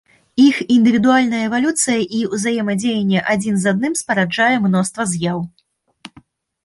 Іх індывідуальная эвалюцыя і ўзаемадзеянне адзін з адным спараджае мноства з'яў.